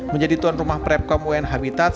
menjadi tuan rumah prep kamu yang habitat